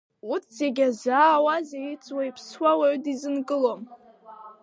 Урҭ зегьы иазаауазеи, иӡуа-иԥсуа уаҩы дизынкылом.